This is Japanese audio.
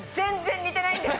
似てないですよ！